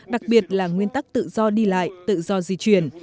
đặc biệt là nguyên tắc tự do đi lại tự do di chuyển